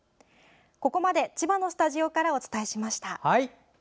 ここまで、千葉のスタジオからお伝えしました。